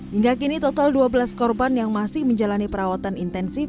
hingga kini total dua belas korban yang masih menjalani perawatan intensif